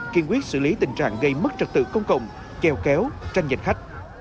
kiên quyết xử lý tình trạng gây mất trật tự công cộng treo kéo tranh giành khách